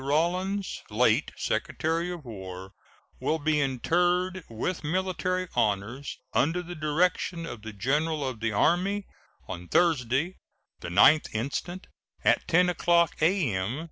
Rawlins, late Secretary of War, will be interred with military honors, under the direction of the General of the Army, on Thursday, the 9th instant, at 10 o'clock a.m.